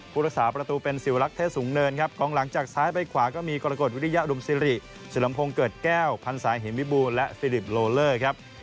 พุทธศาสตร์ประตูเป็นสิวรักษณ์เทศสูงเนินครับของหลังจากซ้ายไปขวาก็มีกรกฎวิริยารุมสิริเฉลมพงเกิดแก้วพันษาหิมวิบูและฟิลิปโลเลอร์ครับ